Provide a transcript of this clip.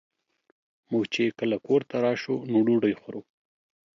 مونږ چې کله کور ته راشو نو ډوډۍ خورو